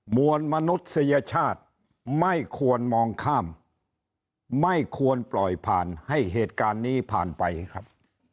มวลมนุษยชาติไม่ควรมองข้ามไม่ควรปล่อยผ่านให้เหตุการณ์นี้ผ่านไปครับ